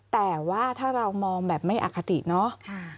แต่ว่าถ้าเรามองแบบไม่อคติเนาะ